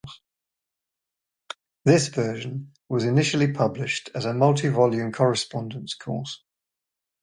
This version was initially published as a multi-volume correspondence course.